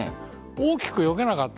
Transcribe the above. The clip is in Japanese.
大きくよけなかった。